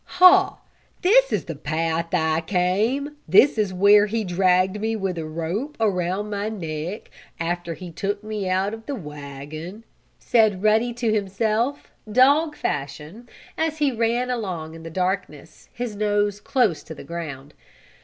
"Ha! This is the path I came! This is where he dragged me with a rope around my neck after he took me out of the wagon," said Ruddy to himself, dog fashion, as he ran along in the darkness, his nose close to the ground.